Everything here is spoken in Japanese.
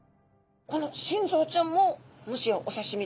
この心臓ちゃんももしやお刺身で？